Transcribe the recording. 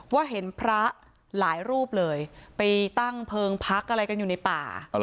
ว่าเห็นพระหลายรูปเลยไปตั้งเพลิงพักอะไรกันอยู่ในป่า